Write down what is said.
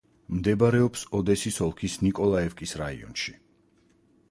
მდებარეობს ოდესის ოლქის ნიკოლაევკის რაიონში.